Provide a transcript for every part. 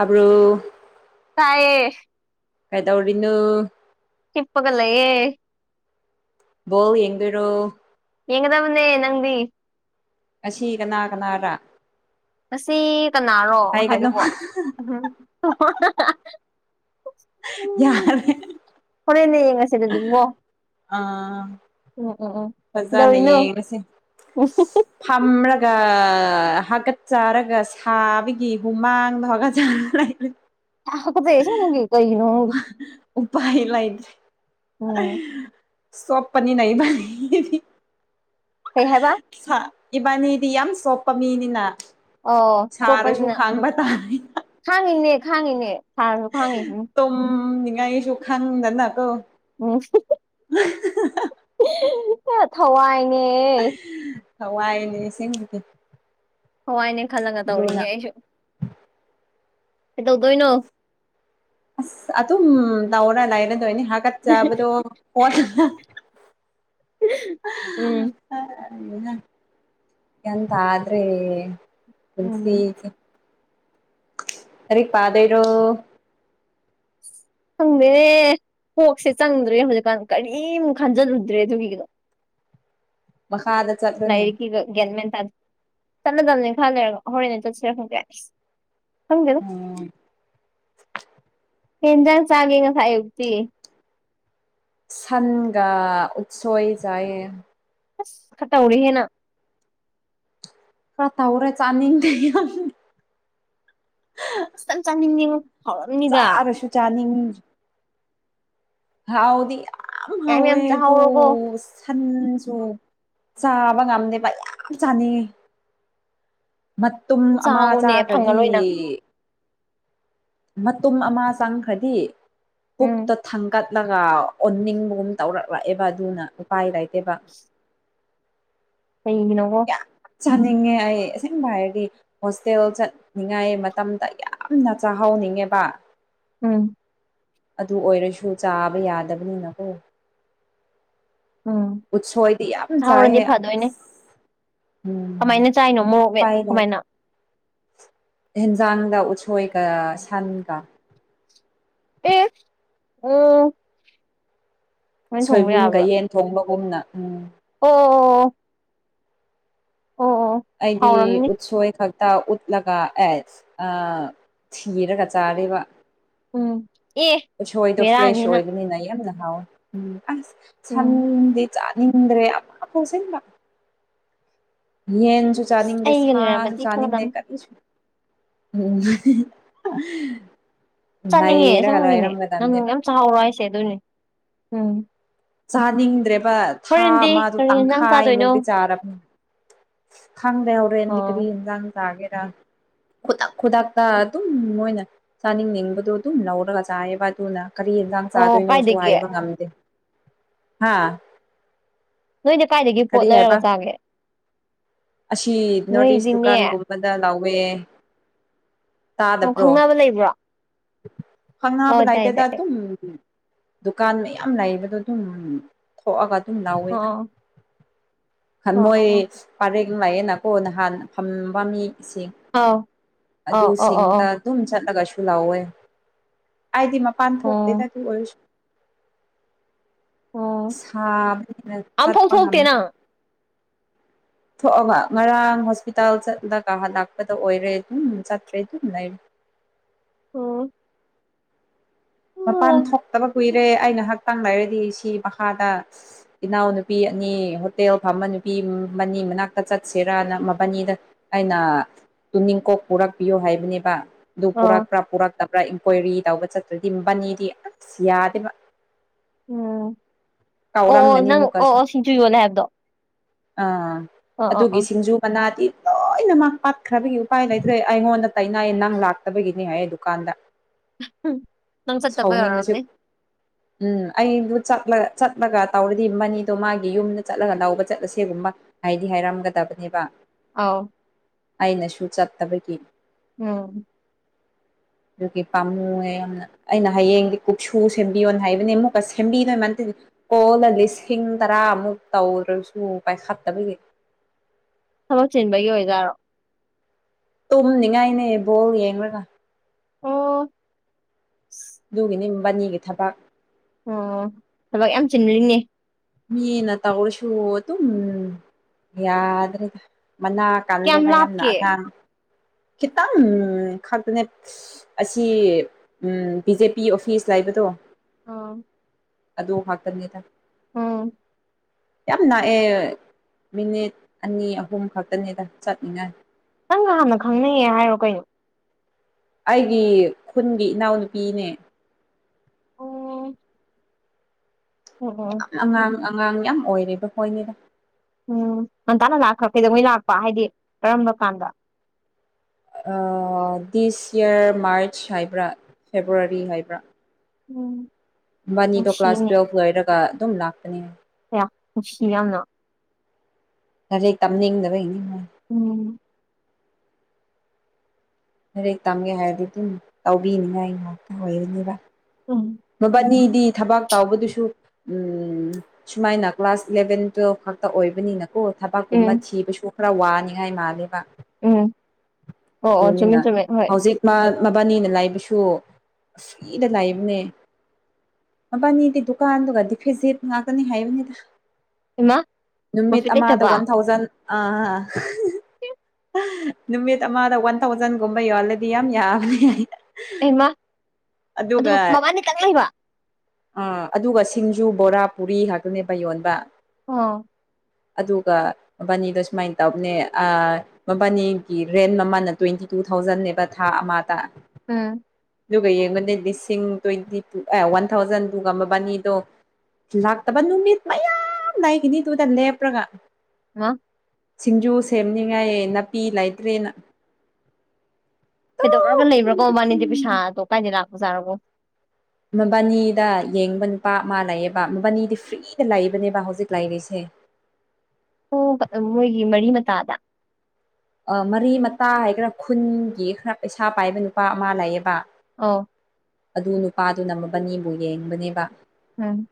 ꯑꯕ꯭ꯔꯣ ꯇꯥꯏꯌꯦ ꯀꯩ ꯇꯧꯔꯤꯅ ꯏꯄꯒ ꯂꯑꯦ ꯕꯣ ꯌꯦꯡꯔꯣ ꯌꯦꯉ ꯇꯥꯕꯗꯦ ꯅꯪꯗꯤ ꯁꯤꯤꯒꯅꯥꯒꯅꯥꯔꯥ ꯑꯁꯤ ꯀꯅꯥꯔꯣ ꯉꯁꯥꯏꯗꯨꯕꯣ ꯌꯥꯔ ꯍꯣꯔꯦꯟ ꯌꯦꯡꯉꯁꯤ ꯑꯗꯨꯗꯤꯀꯣ ꯑꯥ ꯎꯝ ꯎꯝ ꯎꯝ ꯐꯖꯅ ꯀꯩꯗꯧꯔꯤꯅꯣ ꯌꯦꯡꯉꯁꯤ ꯊꯝꯃ ꯍꯥꯀꯠ ꯆꯔꯒ ꯁꯥꯕꯒꯤ ꯍꯨꯃꯥꯡꯗꯣ ꯍꯥꯀꯠꯆꯔ ꯍꯥ ꯀꯠꯆꯩꯌꯦ ꯑꯁꯦꯡꯕꯩ ꯀꯩꯒꯤꯅꯣ ꯈꯡꯗꯦ ꯎꯄꯥꯏ ꯂꯩꯇꯔꯦ ꯁꯣꯞꯄꯅꯤ ꯏꯕꯥꯅꯤꯗꯤ ꯀꯩ ꯍꯥꯏꯕ ꯏꯕꯥꯅꯤꯗꯤ ꯌꯥꯝ ꯁꯣꯞꯄ ꯃꯤꯅꯤꯅ ꯑꯣ ꯁꯥꯔꯁꯨ ꯁꯣꯞꯄꯅꯤꯅ ꯈꯥꯡꯕ ꯇꯥꯔꯦ ꯈꯥꯡꯉꯤꯅꯦ ꯈꯥꯡꯉꯤꯅꯦ ꯁꯥꯔꯁꯨ ꯈꯥꯡꯉꯤꯁꯤꯅꯤ ꯇꯨꯝ ꯝ ꯅꯤꯡꯉꯥꯏꯁꯨ ꯈꯪꯗꯅ ꯀꯣ ꯎꯝ ꯊꯋꯥꯏꯅꯦ ꯊꯋꯥꯏꯅꯦ ꯏꯁꯤꯡꯗꯤ ꯊꯋꯥꯏꯅꯦ ꯈꯜꯂꯒ ꯇꯧꯔꯤꯅꯦ ꯑꯩꯁꯨ ꯀꯩꯗꯧꯗꯣꯏꯅꯣ ꯑꯁ ꯑꯗꯨꯝ ꯂꯥꯎꯔ ꯂꯩꯔꯗꯣꯏꯅꯦ ꯍꯥꯀꯠꯆꯕꯗꯣ ꯎꯝ ꯒꯌ꯭ꯥꯟ ꯇꯥꯗꯔꯦ ꯎꯝ ꯄꯨꯟꯁꯤꯁꯦ ꯂꯥꯏꯔꯤꯛ ꯄꯥꯗꯣꯏꯔꯣ ꯈꯪꯗꯦꯅꯦ ꯀꯣꯛꯁꯦ ꯆꯪꯗ꯭ꯔꯦ ꯍꯧꯖꯤꯛꯀꯥꯟ ꯀꯔꯤꯃꯨꯛ ꯈꯟꯖꯤꯜꯂꯨꯗ꯭ꯔꯦ ꯑꯗꯨꯒꯤꯒ ꯃꯈꯥꯗ ꯆꯠꯂꯨꯅꯦ ꯂꯩꯔꯤꯛꯒ ꯒꯟꯃꯦꯟꯟ ꯆꯠꯂꯗꯕꯅꯦ ꯈꯔ ꯂꯩꯔꯒ ꯍꯣꯔꯦꯟ ꯆꯠꯁꯤꯔ ꯈꯪꯗꯦ ꯈꯪꯗꯦꯗ ꯎꯝ ꯀꯩ ꯏꯟꯖꯥꯡ ꯆꯥꯒꯦ ꯉꯁꯥꯏ ꯑꯌꯨꯛꯇꯤ ꯁꯥꯟꯒ ꯎꯠꯁꯣꯏ ꯆꯥꯏꯌꯦ ꯑꯁ ꯈꯔ ꯇꯧꯔꯦꯍꯦ ꯅꯪ ꯈꯔ ꯇꯧꯔꯦ ꯆꯥꯅꯤꯡꯗꯦ ꯌꯥꯝ ꯈꯤꯇꯡ ꯆꯥꯅꯤꯡꯉꯦꯉꯣ ꯍꯥꯎꯔꯝꯅꯤꯗ ꯆꯥꯔꯁꯨ ꯆꯥꯅꯤꯡ ꯍꯥꯎꯗꯤ ꯌꯥꯝ ꯍꯥꯎꯋꯦ ꯌꯥꯝ ꯑꯗꯣ ꯆꯥꯍꯧꯔꯣꯀꯣ ꯁꯟꯁꯨ ꯆꯥꯕ ꯉꯝꯗꯦꯕ ꯌꯥꯝ ꯆꯥꯅꯤꯡꯉꯦ ꯃꯇꯨꯝ ꯑꯃ ꯆꯥꯍꯧꯅꯦ ꯆꯥꯈꯔꯗꯤ ꯐꯪꯉꯔꯣꯏ ꯅꯪ ꯃꯇꯨꯝ ꯑꯃ ꯆꯪꯈ꯭ꯔꯗꯤ ꯎꯝ ꯄꯨꯛꯇ ꯊꯡꯒꯠ ꯂꯒ ꯑꯣꯟꯅꯤꯡꯕꯒꯨꯝ ꯇꯧꯔꯛꯂꯛꯑꯦꯕ ꯑꯗꯨꯅ ꯎꯄꯥꯏ ꯂꯩꯇꯦꯕ [inaudible] ꯀꯩꯒꯤꯅꯣ ꯌꯥꯝ ꯆꯥꯅꯤꯡꯉꯦ ꯑꯩ ꯑꯁꯦꯡꯕ ꯍꯥꯏꯔꯗꯤ ꯍꯣꯁꯇꯦꯜ ꯆꯠꯅꯤꯡꯉꯥꯏ ꯃꯇꯝꯗ ꯌꯥꯝꯅ ꯆꯥꯍꯧ ꯅꯤꯡꯉꯦꯕ ꯎꯝ ꯑꯗꯨ ꯑꯣꯏꯔꯁꯨ ꯆꯥꯕ ꯌꯥꯗꯕꯅꯤꯅꯀꯣ ꯎꯝ ꯎꯠꯁꯣꯏꯗꯤ ꯌꯥꯝ ꯆꯥꯍꯧꯔꯗꯤ ꯆꯥꯏꯌꯦ ꯐꯗꯣꯏꯅꯦ ꯑꯁ ꯀꯃꯥꯏꯅ ꯆꯥꯏꯅꯣ ꯃꯣꯔꯣꯛꯃꯦꯠ ꯀꯃꯥꯏꯅ ꯑꯦꯟꯖꯥꯡꯒ ꯎꯠꯁꯣꯏꯒ ꯁꯟꯒ ꯑꯦ ꯎꯝ ꯁꯨꯃꯥꯏꯅ ꯊꯣꯡꯕ ꯁꯣꯏꯕꯨꯝꯒ ꯌꯥꯕ꯭ꯔꯣ ꯌꯦꯟ ꯊꯣꯡꯕꯒꯨꯝꯅ ꯎꯝ ꯑꯣ ꯑꯣ ꯑꯣ ꯑꯣ ꯑꯣ ꯑꯣ ꯑꯩꯗꯤ ꯍꯥꯎꯔꯝꯅꯤ ꯎꯠꯁꯣꯏ ꯈꯛ ꯇ ꯎꯠꯂꯒ ꯑꯦ ꯊꯤꯔꯒ ꯆꯥꯔꯤꯕ ꯎꯝ ꯑꯦ ꯎꯠꯁꯣꯏꯗꯣ ꯐ꯭ꯔꯦꯁ ꯕꯦꯔꯥꯅꯤꯅ ꯑꯣꯏꯕꯅꯤꯅ ꯌꯥꯝꯅ ꯍꯥꯥꯎꯋꯦ ꯑꯁ ꯎꯝ ꯁꯟꯗꯤ ꯆꯥꯅꯤꯡꯗ꯭ꯔꯦ ꯑꯃꯐꯧ ꯑꯁꯦꯡꯕ ꯌꯦꯟꯁꯨ ꯑꯁ ꯆꯥꯅꯤꯡꯗꯦ ꯑꯩꯒ ꯁꯥꯁꯨ ꯂꯩꯔꯝꯃꯗꯤ ꯆꯥꯅꯤꯡꯗꯦ ꯈꯪꯒꯗꯕꯅꯤ ꯀꯔꯤꯁꯨ ꯎꯝ ꯆꯥꯅꯤꯡꯉꯦ ꯂꯩꯔꯒ ꯑꯁꯦꯡꯕꯒꯤꯅꯦ ꯅꯪ ꯂꯩꯔꯝꯒꯗꯕꯅꯦꯕ ꯌꯥꯝ ꯆꯥꯍꯧꯔꯣ ꯍꯥꯏꯁꯦ ꯑꯗꯨꯏꯅꯦ ꯎꯝ ꯆꯥꯅꯤꯡꯗ꯭ꯔꯦꯕ ꯊꯥ ꯍꯣꯔꯦꯟꯗꯤ ꯑꯃꯗꯣ ꯀꯔꯤ ꯌꯦꯟꯖꯥꯡ ꯇꯪꯈꯥꯏ ꯆꯥꯗꯣꯏꯅꯣ ꯑꯃꯗꯤ ꯆꯥꯔꯕꯅꯤ ꯈꯪꯗꯦ ꯍꯧꯔꯣꯅꯤ ꯑꯣ ꯀꯔꯤ ꯏꯟꯖꯥꯡꯖꯒꯦꯔ ꯈꯨꯗꯛ ꯀꯔꯤ ꯌꯦꯟꯁꯥꯡ ꯑꯣ ꯆꯥꯗꯣꯏꯅꯣꯁꯨ ꯀꯥꯏꯗꯒꯤ ꯍꯥꯏꯕ ꯉꯝꯗꯦ ꯍꯥ ꯅꯣꯏꯗ ꯀꯥꯏꯗꯒꯤ ꯀꯔꯤ ꯄꯣꯠ ꯍꯥꯏꯕ ꯂꯩꯔꯒ ꯆꯥꯒꯦ ꯑꯁꯤ ꯅꯣꯔꯠ ꯏꯁ ꯅꯣꯏꯗꯤꯅꯦ ꯗꯨꯀꯥꯟꯒꯨꯝꯕꯗ ꯂꯥꯎꯋꯦ ꯑꯣ ꯈꯪꯅꯕ ꯂꯩꯕ꯭ꯔꯣ ꯐꯪꯅꯄ ꯑꯣ ꯇꯥꯏ ꯂꯥꯏꯇꯦ ꯇ ꯇꯥꯏ ꯑꯗꯨ ꯗꯨꯀꯥꯟ ꯃꯌꯥꯝ ꯂꯩꯕꯗꯣ ꯑꯗꯨꯝ ꯊꯣꯛꯑꯒ ꯑꯗꯨꯝ ꯂꯧꯋꯦꯗ ꯑꯣ ꯑꯣ ꯃꯣꯏ ꯑꯣ ꯄꯔꯦꯒ ꯂꯥꯛꯌꯦꯦꯅꯀꯣ ꯅꯍꯥꯟ ꯐ ꯐꯝꯃꯤ ꯏꯁꯤꯡ ꯑꯣ ꯑꯧ ꯑꯧ ꯑꯧ ꯑꯧ ꯑꯗꯨꯁꯤꯡꯗ ꯑꯗꯨꯝ ꯆꯠꯂꯒꯁꯨ ꯂꯥꯎꯋꯦ ꯑꯩꯗꯤ ꯃꯄꯥꯟ ꯊꯣꯛꯇꯦꯗ ꯑꯣ ꯑꯗꯨ ꯑꯣꯏꯔꯁꯨ ꯑꯣ ꯁꯥꯕꯅ ꯑꯝꯐꯥꯎ ꯆꯠꯄ ꯊꯣꯛꯇꯦ ꯉꯝꯗ ꯅꯪ ꯊꯣꯛꯑꯒ ꯉꯔꯥꯡ ꯍꯣꯁꯄꯤꯇꯥꯜ ꯆꯠꯂꯒꯂꯥꯛꯄꯗ ꯑꯣꯏꯔꯦ ꯑꯗꯨꯝ ꯆꯠꯇ꯭ꯔꯦ ꯑꯗꯨꯝ ꯂꯩꯔ [inaudible] ꯑꯣꯝ ꯄꯥꯟ ꯊꯣꯛꯛꯇꯕ ꯀꯨꯏꯔꯦ ꯑꯩꯅ ꯍꯛꯥꯛꯇꯥꯡ ꯂꯩꯥꯏꯔꯗꯤ ꯁꯤ ꯃꯈꯥꯗ ꯏꯅꯥꯎꯅꯨꯄꯤ ꯑꯅꯤ ꯍꯣꯇꯦꯜ ꯐꯝꯃꯅꯤ ꯅꯨꯄꯤ ꯃ ꯃꯅꯥꯛꯇ ꯆꯠꯁꯤꯔ ꯃꯕꯥꯅꯤꯗ ꯑꯩꯅ ꯇꯨꯅꯤꯡꯀꯣꯛ ꯄꯨꯔꯛꯄꯤꯌ ꯍꯍꯥꯏꯕꯅꯦꯕ ꯑꯗꯨ ꯑꯣ ꯄꯨꯔꯛꯄ꯭ꯔꯥ ꯄꯨꯔꯛꯇꯕ꯭ꯔꯥ ꯏꯟꯀ꯭ꯋꯥꯏꯔꯤ ꯇꯧꯕ ꯆꯠꯇ꯭ꯔꯗꯤ ꯃꯅꯤꯗꯤ ꯑꯁ ꯌꯥꯗꯦꯕ ꯎꯝ ꯑꯣ ꯑꯣ ꯀꯥꯎꯔꯝꯒꯅꯤ ꯅꯪ ꯑꯣ ꯑꯃꯨꯛꯀꯁꯨ ꯑꯣ ꯁꯤꯡꯖꯨ ꯌꯣꯜꯂ ꯍꯥꯏꯕꯗꯣ ꯑꯥ ꯑꯣ ꯑꯣ ꯑꯗꯨꯒꯤ ꯑꯣ ꯁꯤꯡꯖꯨ ꯃꯅꯥꯗꯤ ꯂꯣꯏꯅ ꯃ ꯄꯥꯠꯈ꯭ꯔꯕꯒꯤ ꯎꯄꯥꯏ ꯂꯩꯇ꯭ꯔꯦ ꯑꯩꯉꯣꯟꯗ ꯇꯅꯥꯌꯦ ꯅꯪ ꯂꯥꯛꯇꯕꯒꯤꯅꯤ ꯍꯥꯏꯌꯦ ꯗꯨꯀꯥꯟꯗ ꯅꯪꯁꯠꯕꯌꯣ ꯁꯥꯎꯅꯤꯡꯉꯁꯨ ꯑꯔꯝꯅꯤ ꯎꯝ ꯑꯩꯕꯨ ꯆꯠꯂ ꯆꯠꯂꯒ ꯇꯧꯔꯗꯤ ꯃꯅꯤꯗꯣ ꯃꯥꯒꯤ ꯌꯨꯝꯗ ꯆꯠꯂꯒ ꯂꯧꯕ ꯆꯠꯂ ꯁꯤꯦꯒꯨꯝꯕ ꯍꯥꯏꯗꯤ ꯍꯥꯏꯔꯝꯒꯗꯕꯅꯦꯕ ꯑꯥꯎ ꯑꯩꯅꯁꯨ ꯆꯠꯇꯕꯒꯤ ꯎꯝ ꯑꯗꯨꯒꯤ ꯄꯥꯝꯃꯨ ꯌꯥꯝꯅ ꯑꯩꯅ ꯍꯌꯦꯡꯗꯤ ꯀꯨꯞꯁꯨ ꯁꯦꯝꯕꯤꯌꯣꯅ ꯍꯥꯏꯕꯅꯤ ꯑꯃꯨꯛꯀ ꯁꯦꯝꯕꯤꯗꯣꯏ ꯃꯇꯗꯤ ꯀꯣꯂ ꯂꯤꯁꯤꯡ ꯇꯔꯥ ꯑ ꯃꯨꯛ ꯇ ꯑꯣꯏꯔꯁꯨ ꯄꯥꯏ ꯍꯥꯠꯗꯕꯒꯦ ꯊꯕꯛ ꯆꯤꯟꯕꯒꯤ ꯑꯣꯏꯗꯔꯣ ꯇꯨꯝꯅꯤꯉꯥꯏꯅꯦ ꯕꯣ ꯌꯦꯡꯂꯡꯒ ꯑꯣ ꯕꯥꯅꯤꯒꯤ ꯊꯕꯛ ꯑꯣ ꯊꯕꯛ ꯌꯥꯝ ꯆꯤꯤꯟꯜꯂꯤꯅꯦ ꯃꯤꯅ ꯇꯧꯁꯨꯣ ꯇ ꯌꯥꯗ꯭ꯔꯦꯒ ꯃꯅꯥ ꯀꯌꯥꯝ ꯀꯜꯂꯦꯕ ꯌꯥꯝꯅ ꯂꯥꯞꯀꯦ ꯑꯊꯥꯡ ꯈꯤꯇꯪ ꯈꯛꯇꯅꯦ ꯑꯁꯤ ꯕꯤ ꯖꯦ ꯄꯤ ꯑꯣꯐꯤꯁ ꯂꯩꯕꯗꯣ ꯑ ꯑꯗꯨ ꯍꯥꯥꯛꯇꯅꯤꯦꯗ ꯎꯝ ꯌꯥꯝ ꯂꯥꯛꯑꯦ ꯃꯤꯅꯤꯠ ꯑꯅꯤ ꯑꯍꯨꯝ ꯈꯛꯇꯅꯤꯗ ꯆꯠꯅꯤꯡꯉꯥꯏ ꯅꯪꯒ ꯍꯥꯟꯅ ꯈꯪꯅꯩꯌꯦ ꯍꯥꯏꯔꯣ ꯀꯩꯅꯣ ꯑꯩꯒꯤ ꯈꯨꯟꯒꯤ ꯏꯅꯥꯎꯅꯨꯄꯤꯅꯦ ꯑꯣ ꯑꯣ ꯑꯣ ꯑꯉꯥꯡ ꯑꯉꯥꯡ ꯌꯥꯝ ꯑꯣꯏꯔꯦꯕ ꯍꯣꯏꯅꯤꯗ ꯎꯝ ꯉꯟꯇꯥꯅ ꯂꯥꯛꯈ꯭ꯔ ꯀꯩꯗꯧꯉꯩ ꯂꯥꯛꯄ ꯍꯥꯏꯗꯤ ꯀꯔꯝꯕ ꯀꯥꯟꯗ ꯗꯤꯁ ꯌꯔ ꯃꯥꯔꯆ ꯍꯥꯏꯕ꯭ꯔꯥ ꯐꯦꯕ꯭ꯔꯋꯥꯔꯤ ꯍꯥꯏꯕ꯭ꯔꯥ ꯎꯝ ꯕꯥꯅꯤꯗꯣ ꯀ꯭ꯂꯥꯁ ꯅꯨꯡꯁꯤꯅꯦ ꯇꯨꯋꯦꯜꯕ ꯂꯣꯏꯔꯒ ꯑꯗꯨꯝ ꯂꯥꯛꯄꯅꯦ ꯅꯨꯡꯁꯤ ꯌꯥꯝꯅ ꯈꯖꯤꯦꯛ ꯇꯝꯅꯤꯡꯗꯕ ꯏꯅꯤ ꯎꯝ ꯍꯦꯛ ꯇꯝꯒꯦ ꯍꯥꯏꯔꯗꯤ ꯑꯗꯨꯝ ꯇꯧꯕꯤꯅꯤꯉ ꯑꯩ ꯉꯥꯛꯇ ꯑꯣꯏꯔꯅꯤꯕ ꯎꯝ ꯃꯕꯥꯅꯤꯗꯤ ꯊꯕꯥꯛ ꯇꯥꯎꯕꯗꯨꯁꯨ ꯎ ꯁꯨꯃꯥꯏꯅ ꯀ꯭ꯂꯥꯁ ꯏꯂꯚꯦꯟ ꯇꯨꯋꯦꯜꯐ ꯊꯕꯛꯇ ꯑꯣꯏꯕꯅꯤꯅꯀꯣ ꯊꯕꯛꯀꯨꯝꯕ ꯎꯝ ꯊꯤꯕꯁꯨ ꯈꯔ ꯋꯥꯅꯤꯡꯉꯥꯏ ꯃꯥꯜꯂꯦꯕ ꯎꯝ ꯑꯣ ꯑꯣ ꯆꯨꯝꯃꯦ ꯅꯤꯅ ꯆꯨꯝꯃꯦ ꯍꯣꯏ ꯍꯧꯖꯤꯛ ꯃꯥ ꯃꯕꯥꯅꯤꯅ ꯂꯥꯏꯕꯁꯨ ꯑꯨꯏꯗ ꯂꯥꯏꯏꯕꯅꯦ ꯃꯕꯥꯅꯤꯗꯤ ꯗꯨꯀꯥꯟꯗꯨꯒꯗꯤ ꯐꯤꯖꯤꯠ ꯉꯥꯛꯇꯅꯤ ꯍꯥꯏꯕꯅꯤꯗ ꯏꯃꯥ ꯅꯨꯃꯤꯠ ꯄ꯭ꯔꯣꯐꯤꯠ ꯑꯃꯗ ꯋꯥꯟ ꯊꯥꯎꯖꯟ ꯑꯥ ꯍꯤꯡ ꯅꯨꯃꯤꯠ ꯑꯃꯗ ꯋꯥꯟ ꯊꯥꯎꯖꯟꯒꯨꯝꯕ ꯌꯣꯜꯂꯗꯤ ꯌꯥꯝ ꯌꯥꯕꯅꯤ ꯑꯗꯨ ꯃꯕꯥꯅꯤ ꯈ ꯂꯩꯕ ꯑꯥ ꯑꯗꯨꯒ ꯁꯤꯡꯖꯨ ꯕꯣꯔꯥ ꯄꯨꯔꯤ ꯉꯥꯛꯇꯅꯦꯕ ꯌꯣꯟꯕ ꯑꯥ ꯑꯗꯨꯒ ꯃꯕꯥꯅꯤꯗ ꯁꯨꯃꯥꯏꯅ ꯇꯧꯕꯅꯦ ꯃꯕꯥꯅꯤꯒꯤ ꯔꯦꯟ ꯃꯃꯥꯅ ꯇ꯭ꯋꯦꯟꯇꯤ [unintelligible] ꯇꯨ ꯊꯥꯎꯖꯟꯟꯅꯦꯕ ꯊꯥ ꯑꯃꯗ ꯎꯝ ꯑꯗꯨꯒ ꯌꯦꯡꯕꯗ ꯂꯤꯁꯤꯡ ꯇ꯭ꯋꯦꯟꯇꯤ ꯇꯨ ꯑꯦ ꯋꯥꯟ ꯊꯥꯎꯖꯟ ꯇꯨꯒ ꯃꯕꯥꯅꯤꯗꯣ ꯂꯥꯛꯇꯕ ꯅꯨꯃꯤꯠ ꯃꯌꯥꯝꯌꯥꯝ ꯂꯩꯏ ꯀꯅꯤ ꯇꯨꯡꯗ ꯂꯦꯞ꯭ꯔꯒꯥ ꯍꯥ ꯁꯤꯡꯖꯨ ꯁꯦꯝꯅꯤꯉꯥꯏ ꯅꯥꯄꯤ ꯂꯩꯇ꯭ꯔꯦꯅ ꯈꯩꯗꯣꯛꯔꯒ ꯂꯩꯕ꯭ꯔꯀꯣ ꯃꯥꯅꯤꯗꯤ ꯄꯩꯁꯥꯗꯣ ꯀꯥꯏꯗ ꯂꯥꯛꯄꯖꯥꯔꯔꯕꯣ ꯃꯕꯥꯅꯤꯗ ꯌꯦꯡꯕ ꯅꯨꯄꯥ ꯃꯥ ꯂꯩꯑꯕ ꯃꯕꯥꯅꯤꯗꯤ ꯐ꯭ꯔꯤꯗ ꯂꯩꯕꯅꯦꯕ ꯍꯧꯖꯤꯛ ꯂꯩꯔꯤꯁꯦ [inaudible] ꯑꯣ ꯃꯣꯏꯒꯤ ꯃꯔꯤ ꯃꯇꯥꯗ ꯃꯔꯤ ꯃꯇꯥ ꯍꯥꯏꯒꯔꯥ ꯈꯨꯟꯒꯤ ꯈꯔ ꯄꯩꯁꯥ ꯄꯥꯏꯕ ꯅꯨꯄꯥ ꯑꯃ ꯂꯩꯑꯕ ꯑꯥ ꯑꯗꯨ ꯅꯨꯄꯥꯗꯨꯅ ꯃꯕꯥꯅꯤꯕꯨ ꯌꯦꯡꯕꯅꯦꯕ ꯎꯝ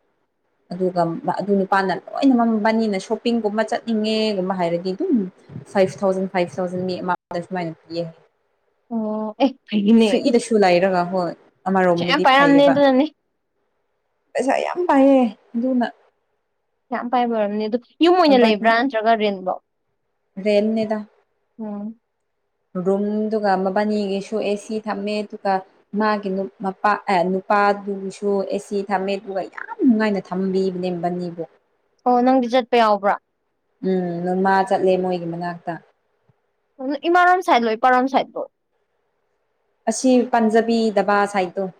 ꯑꯗꯨꯒ ꯑꯗꯨ ꯅꯨꯄꯥꯅ ꯂꯣꯏꯅ ꯃꯝꯕꯅꯤꯅ ꯁꯣꯞꯄꯤꯡꯒꯨꯝꯕ ꯆꯠꯅꯤꯡꯉꯦꯒꯨꯝꯕ ꯍꯥꯏꯔꯗꯤ ꯑꯗꯨꯝ ꯐꯥꯏꯚ ꯊꯥꯎꯖꯟ ꯐꯥꯏꯚ ꯊꯥꯎꯖꯟꯥꯏꯅ ꯐꯔꯤ ꯑꯣ ꯑꯦ ꯐꯩꯅꯦ ꯐ꯭ꯔꯤꯛꯏꯗꯁꯨ ꯂꯩꯔꯒ ꯍꯣꯏ ꯄꯩꯁꯥ ꯌꯥꯝ ꯑꯃꯔꯣꯝꯗꯗꯤ ꯄꯥꯏꯔꯝꯅꯦ ꯐꯩꯌꯦꯕ ꯑꯗꯨꯅꯅꯦ ꯄꯩꯁꯥ ꯌꯥꯝ ꯄꯥꯏꯌꯦ ꯑꯗꯨꯅ ꯌꯥꯝ ꯄꯥꯏꯕꯝꯅꯦ ꯑꯗꯨ ꯌꯨꯝ ꯑꯣꯏꯅ ꯂꯩꯕ꯭ꯔꯥ ꯅꯠꯇ꯭ꯔꯒ ꯔꯦꯟꯕꯣ ꯔꯦꯦꯜꯅꯦꯗ ꯎꯝ ꯔꯨꯝꯗꯨ ꯃꯕꯥꯅꯤꯒꯤꯁꯨ ꯑꯦꯁꯤ ꯊꯝꯃꯦ ꯑꯗꯨꯒ ꯏꯃꯥꯒꯤ ꯃꯄꯥ ꯄꯥꯗꯨꯁꯨ ꯑꯦꯁꯤ ꯊꯝꯃꯦ ꯑꯗꯨꯒ ꯌꯥꯝ ꯅꯨꯡꯉꯥꯏꯅ ꯊꯝꯕꯤꯕꯅꯦ ꯕꯅꯤꯕꯨꯣ ꯑꯣ ꯅꯪꯗꯤ ꯆꯠꯄ ꯌꯥꯎꯕ꯭ꯔꯥ ꯎꯝ ꯅꯃ ꯆꯠꯂꯦ ꯃꯣꯏꯒꯤ ꯃꯅꯥꯛꯇ ꯏꯃꯥꯟ ꯁꯥꯏꯗ ꯂꯣ ꯏꯄꯔꯟ ꯁꯥꯏꯗꯕꯣ ꯄꯟꯖꯕꯤ ꯗꯕꯥ ꯁꯥꯏꯗꯣ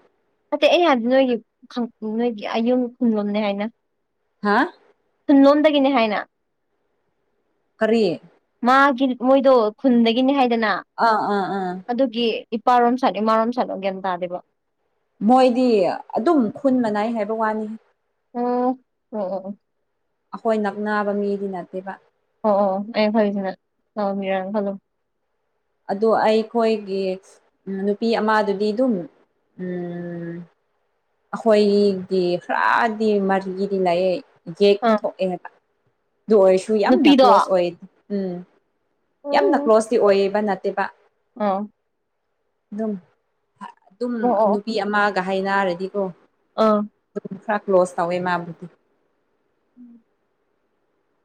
ꯐꯗꯩ ꯑꯩ ꯍꯥꯏꯗꯤ ꯅꯣꯏꯒꯤ ꯅꯣꯏꯒꯤ ꯑꯌꯨꯝ ꯈꯨꯟꯂꯣꯝꯅꯦ ꯍꯥꯏꯅ ꯍꯥ ꯅꯣꯟꯗ ꯀꯅꯦ ꯍꯥꯏꯅ ꯀꯔꯤꯑꯦ ꯃꯥꯒꯤ ꯃꯣꯏꯗꯣ ꯈꯨꯟꯗꯒꯤꯅꯤ ꯍꯥꯏꯗꯅ ꯑꯥ ꯑꯥ ꯑꯥ ꯑꯗꯨꯒꯤ ꯏꯄꯥꯔꯣꯝ ꯁꯥꯠꯅꯨ ꯏꯃꯥꯔꯣꯝ ꯁꯥꯠꯅꯣ ꯒꯟ ꯇꯥꯗꯦꯕ ꯃꯣꯏꯗꯤ ꯑꯗꯨꯝ ꯈꯨꯟ ꯃꯅꯥꯏ ꯍꯥꯏꯕ ꯋꯥꯅꯤ ꯎꯝ ꯎ [inaudible] ꯑꯩꯈꯣꯏ ꯅꯛꯅꯕ ꯃꯤꯗꯤ ꯅꯠꯇꯦꯕ ꯑꯣ ꯑꯣ ꯑꯩ ꯐꯔꯤꯁꯤꯅ ꯂꯥꯛꯕꯤꯔꯅ ꯈꯜꯂꯨ ꯑ ꯑꯩ ꯑꯩꯈꯣꯏꯒꯤ ꯅꯨꯄꯤ ꯑꯃꯗꯨꯗꯤ ꯑꯗꯨꯝ ꯎꯝ ꯑꯩꯈꯣꯏꯒꯤꯗꯤ ꯈꯔꯗꯤ ꯃꯥꯔꯤꯒꯤꯗꯤ ꯂꯥꯏꯑ ꯌꯦꯛ ꯑꯥ ꯊꯣꯛꯑꯦꯕ ꯑꯗꯨ ꯑꯣꯏꯔꯁꯨ ꯌꯥꯝꯅ ꯅꯨꯄꯤꯗꯣ ꯑꯣ ꯀ꯭ꯂꯣꯁ ꯑꯣꯏ ꯎꯝ ꯌꯥꯝꯅ ꯀ꯭ꯂꯣꯁꯇꯤ ꯑꯣꯏꯌꯦꯕ ꯅꯠꯇꯦꯕ ꯑꯥ ꯑꯗꯨꯝ ꯑꯗꯨꯝ ꯑꯣ ꯑꯣ ꯅꯨꯄꯤ ꯑꯃꯒ ꯍꯥꯏꯅꯔꯗꯤꯀꯣ ꯑꯥ ꯑꯗꯨꯝ ꯈꯔ ꯀ꯭ꯂꯣꯁ ꯇꯧꯋꯦ ꯃꯥꯕꯨꯗꯤ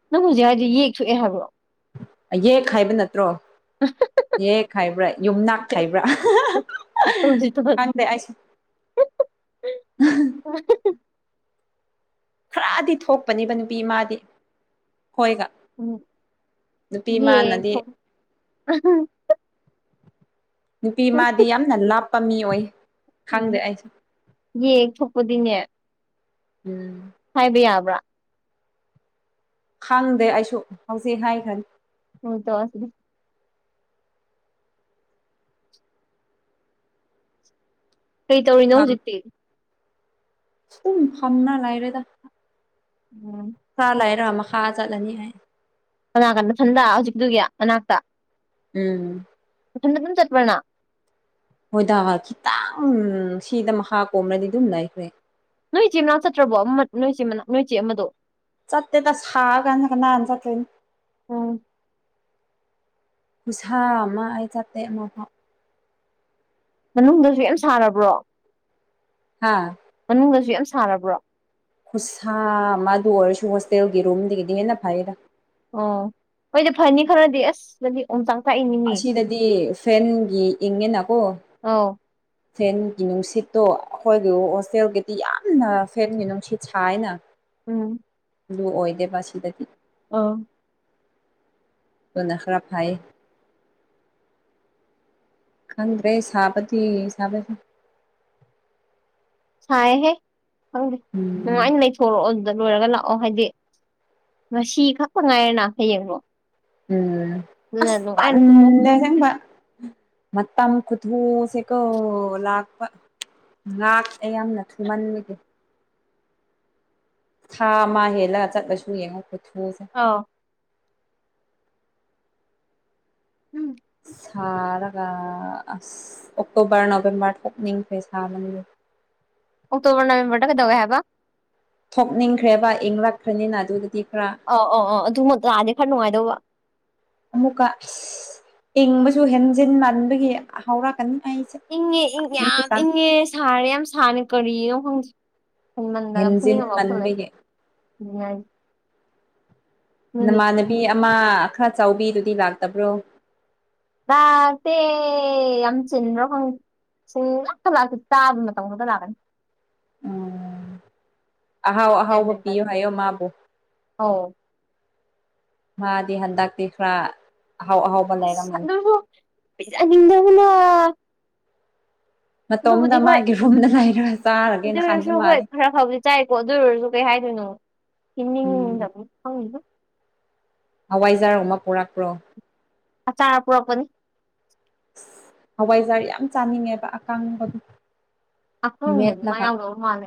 ꯅꯪ ꯍꯧꯖꯤꯛ ꯍꯥꯏꯗꯤ ꯌꯦꯛꯊꯣꯛꯑꯦ ꯍꯥꯏꯕ꯭ꯔꯣ ꯌꯦꯛ ꯍꯥꯏꯕ ꯅꯠꯇ꯭ꯔꯣ ꯑ [inaudible] ꯍꯦ ꯈꯥꯏꯕ꯭ꯔꯥ ꯌꯨꯝꯅꯥꯛ ꯈꯥꯏꯕ꯭ꯔꯥ ꯈꯪ ꯑꯩꯁꯨ [inaudible] [unintelligible] ꯈꯔꯥꯗꯤ ꯊꯣꯛꯄꯅꯦꯕ ꯅꯨꯄꯤ ꯃꯥꯗꯤ ꯍꯣꯏꯒꯥ ꯌꯦꯛ ꯅꯨꯄꯤꯃꯅꯗꯤ ꯊꯣꯛ ꯅꯨꯄꯤ ꯃꯥꯗꯤ ꯌꯥꯝꯅ ꯂꯥꯞꯄꯥ ꯃꯤ ꯑꯣꯏ ꯎꯝ ꯈꯪꯗꯦ ꯑꯩꯁꯨ ꯌꯦ ꯊꯣꯛꯄꯗꯤꯅꯦ ꯎꯝ ꯍꯥꯏꯕ ꯌꯥꯕ꯭ꯔꯥ ꯈꯪꯗꯦ ꯑꯩꯁꯨ ꯍꯧꯖꯤꯛ ꯍꯥꯏ ꯈꯅꯤ ꯍ ꯇ ꯑꯁ [inaudible] ꯀꯔꯤ ꯇꯧꯔꯤꯅꯣ ꯍꯧꯖꯤꯛꯇꯤ ꯑꯗꯨꯨꯝ ꯐꯝꯅ ꯂꯥꯏꯔꯦꯗ ꯎꯝ ꯆꯂꯑꯔꯃ ꯍꯥ ꯆꯂꯅꯤ ꯍꯥꯏ ꯀꯅꯥ ꯀꯟꯗꯊꯟꯗ ꯍꯧꯖꯤꯛꯇꯨꯒꯤ ꯃꯅꯥꯛꯇ ꯎꯝ ꯑꯅ ꯑꯗꯨꯅ ꯆꯠꯄꯅ ꯍꯣꯏꯗꯥ ꯈꯤꯇꯪ ꯁꯤꯗ ꯃꯈꯥ ꯀꯣꯕ꯭ꯔꯗꯤ ꯑꯗꯨꯝ ꯂꯩꯈ꯭ꯔꯦ ꯅꯣꯏ ꯆꯦ ꯃꯅꯥꯎ ꯆꯠꯇ꯭ꯔꯕꯣ ꯑꯃ ꯅꯣꯏ ꯃꯅꯥ ꯅꯣꯏ ꯆꯦ ꯑꯃꯗꯣ ꯆꯠꯦ ꯇꯁ ꯍꯥꯎ ꯀꯅꯍꯥꯟ ꯆꯠꯇ‌ꯣꯏꯟ ꯎꯝ ꯄꯁꯥ ꯃꯥ ꯑꯩ ꯆꯇ ꯃ ꯃꯅꯨꯡꯗꯁꯨ ꯌꯥꯝ ꯁꯥꯔꯕ꯭ꯔꯣ ꯍꯥ ꯃꯅꯨꯡꯗꯁꯨ ꯌꯥꯝ ꯁꯥꯔꯕ꯭ꯔꯣ ꯈꯨꯠꯁꯥ ꯃꯗꯨ ꯑꯣꯏꯔꯁꯨ ꯍꯣꯁꯇꯦꯜꯒꯤ ꯔꯨꯝꯗꯒꯤꯗꯤ ꯍꯦꯟꯅ ꯐꯩꯔ ꯑꯣ ꯍꯣꯏꯗꯤ ꯐꯅꯤ ꯈꯔꯗꯤ ꯑꯁ ꯑꯗꯨꯗꯤ ꯑꯃꯇꯥꯛ ꯑꯁꯤꯗꯗꯤ ꯐꯦꯟꯒꯤ ꯏꯪꯉꯤꯅꯀꯣ ꯑꯧ ꯐꯦꯟꯒꯤ ꯅꯨꯡꯁꯤꯠꯇꯣ ꯑꯩꯈꯣꯏꯒꯤ ꯍꯣꯁꯇꯦꯜꯒꯤꯗꯤ ꯌꯥꯝꯅ ꯐꯦꯟꯒꯤ ꯅꯨꯡꯁꯤꯠ ꯁꯥꯏꯅ ꯎꯝ ꯂꯨ ꯑꯣꯏꯗꯦꯕ ꯁꯤꯗꯗꯤ ꯑꯥ ꯅꯈꯔꯥꯏ ꯈꯪꯗ꯭ꯔꯦ ꯁꯥꯕꯗꯤ ꯁꯥꯕꯗꯤ ꯁꯥꯏꯍꯦ ꯈꯪꯗꯦ ꯎꯝ ꯅꯨꯡꯉꯥꯏꯅ ꯂꯩꯊꯣꯔꯛꯑꯣ ꯑꯗꯨ ꯗ ꯂꯣꯏꯔꯒ ꯂꯥꯛꯑꯣ ꯍꯥꯏꯗꯤ ꯉꯁꯤ ꯈꯛꯇ ꯉꯥꯏꯔꯅ ꯍꯌꯦꯡꯗꯣ ꯎꯝ ꯇꯨꯝꯃꯣ ꯑꯁꯟꯦ ꯆꯕ ꯃ ꯑꯃ ꯀꯨꯊꯍꯁꯦ ꯀ ꯂꯥꯛꯥꯛꯄ ꯉꯍꯥꯛ ꯑꯩ ꯌꯥꯝꯅ ꯊꯨꯝꯃꯟꯕꯒꯦ ꯊꯥ ꯑꯃ ꯍꯦꯜꯂꯒ ꯆꯠꯂꯁꯨ ꯌꯦꯡꯉꯣ ꯈꯨꯊꯨꯁꯦ ꯑꯥꯎ ꯁꯥꯒ ꯑ ꯑꯣꯛꯇꯣꯕꯔ ꯅꯕꯦꯝꯕꯔ ꯊꯣꯛꯅꯤꯡꯈꯩ ꯁꯥꯕꯒꯦ [unintelligible] [inaudible] ꯇꯣꯅ ꯀꯗꯧꯒ ꯍꯥꯏꯕ ꯊꯣꯛꯅꯤꯡꯈ꯭ꯔꯦꯕ ꯏꯪꯂꯛꯈ꯭ꯔꯅꯤꯅ ꯑꯗꯨꯗꯗꯤ ꯈ ꯑꯧ ꯑꯧ ꯑꯧ ꯑꯗꯨ ꯇꯥꯔꯗꯤ ꯈꯔ ꯅꯨꯡꯉꯥꯏꯗꯧꯕ ꯑꯃꯨꯛꯀ ꯏꯪꯕꯁꯨ ꯍꯦꯟꯖꯤꯟ ꯃꯟꯕꯒꯤ ꯍꯧꯔꯛꯀꯅꯤ ꯑꯩꯁꯦ ꯏꯪꯉꯦ ꯏꯪ ꯌꯥꯝ ꯏꯪꯉꯦ ꯁꯥꯔꯦ ꯌꯥꯝ ꯁꯥꯅꯤ ꯀꯔꯤꯅꯣ ꯈꯪꯗꯦ ꯍꯦꯟꯖꯤꯟ ꯏꯟꯥꯟꯗꯒꯝꯁꯤꯅꯤꯉꯝꯕ ꯐꯂꯦ ꯃꯟꯕꯒꯤ ꯅꯃꯥꯟꯅꯕꯤ ꯑꯃ ꯈꯔ ꯆꯥꯎꯕꯤꯗꯨꯗꯤ ꯂꯥꯛꯇꯕ꯭ꯔꯣ ꯑꯆꯪ ꯁꯤ ꯂꯥꯛꯇ ꯂꯥꯛꯒꯦ ꯆꯕ ꯇ ꯃꯅꯗ ꯂꯒꯅꯤ ꯎ [unintelligible] [inaudible] ꯑꯍꯥꯎ ꯒ꯭ꯌꯥꯟ ꯑꯍꯥꯎꯕ ꯃꯦꯟ ꯄꯤꯌꯨ ꯇꯥꯗꯦ ꯍꯥꯏꯌꯣ ꯃꯥꯕꯨ ꯑꯧ ꯃꯥꯗꯤ ꯍꯟꯗꯛꯇꯤ ꯈꯔ ꯑꯍꯥꯎ ꯑꯍꯥꯎꯕ ꯑꯁ ꯂꯩꯔꯝꯒꯅꯤ ꯑꯗꯨꯕꯨ ꯄꯤꯖꯅꯤꯡꯗꯕꯅ ꯑꯗꯨꯕꯨꯗꯤ ꯃꯇꯣꯝꯗ ꯍꯣꯏ ꯃꯥꯒꯤ ꯔꯨꯝꯗ ꯂꯩꯔꯒ ꯑꯗꯨ ꯆꯥꯔꯒꯦꯅ ꯑꯣꯏꯔꯁꯨ ꯈꯟꯕ ꯍꯣꯏ ꯃꯥꯜꯂꯦ ꯈꯔ ꯐꯕꯗꯤ ꯆꯥꯏꯀꯣ ꯑꯗꯨ ꯑꯣꯏꯔꯁꯨ ꯀꯩ ꯍꯥꯏ ꯑꯗꯨ ꯏ ꯍꯪ ꯍꯋꯥꯏꯖꯥꯔꯣ ꯑꯃ ꯄꯨꯔꯛꯄ꯭ꯔꯣ ꯑ ꯆꯄꯄꯅꯤ ꯍꯋꯥꯏꯖꯥꯔ ꯌꯥꯝ ꯆꯥꯅꯤꯡꯉꯦꯕ ꯑꯀꯥꯡꯕꯗ ꯑꯈꯣꯡꯕꯅꯤ ꯃꯥ ꯌꯥꯎꯗꯕ ꯃꯥꯜꯂꯦ